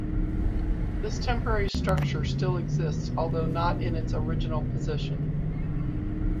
This temporary structure still exists although not in its original position.